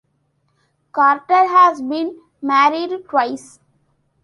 Carter has been married twice.